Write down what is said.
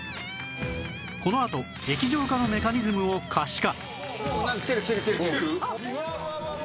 このあと液状化のメカニズムを可視化